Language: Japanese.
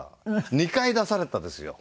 ２回出されたんですよ。